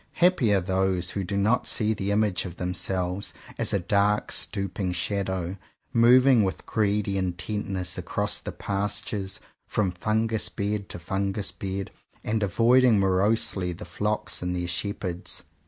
Happy are those who do not see the image of themselves as a dark stooping shadow moving with greedy intentness across the pastures from fungus bed to fungus bed, and avoiding morosely the flocks and their shepherds.